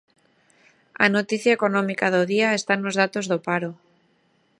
A noticia económica do día está nos datos do paro.